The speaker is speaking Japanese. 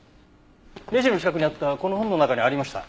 レジの近くにあったこの本の中にありました。